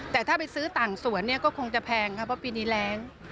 แต่ถ้าไปซื้อต่างส่วนก็คงจะแพงเพราะว่าปีนี้แรง